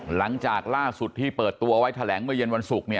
หลังจากล่าสุดที่เปิดตัวไว้แถลงเมื่อเย็นวันศุกร์